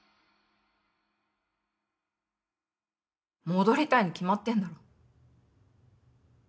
戻りたいに決まってんだろ。